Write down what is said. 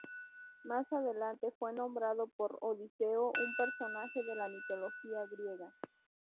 Más adelante fue nombrado por Odiseo, un personaje de la mitología griega.